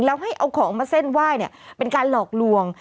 แล้วให้เอาของมาเส้นไหว้เป็นการหลอกลวง